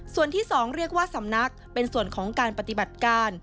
ส่วนที่๒เรียกว่าสำนักเป็นส่วนของการปฏิบัติการ